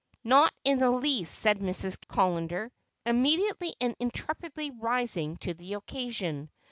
"Not in the least," said Mrs. Callender, immediately and intrepidly rising to the occasion.